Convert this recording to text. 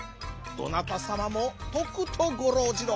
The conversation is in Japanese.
どなたさまもとくとごろうじろ。